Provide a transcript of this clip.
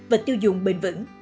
và tiêu dùng bình vững